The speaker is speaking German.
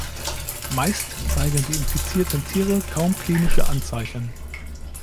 Meist zeigen die infizierten Tiere kaum klinische Anzeichen.